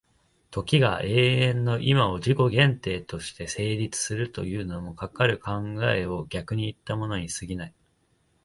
時が永遠の今の自己限定として成立するというのも、かかる考を逆にいったものに過ぎない。